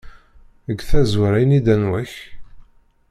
Deg tazwara ini-d anwa-k!